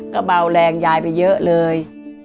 ก็เบาแรงยายไปเยอะเลย